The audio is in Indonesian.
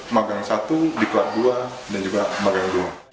magang satu di kelas dua dan juga magang dua